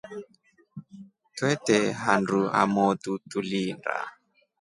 Twete handu hamotu tuliindaa.